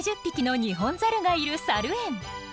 １２０匹のニホンザルがいるサル園。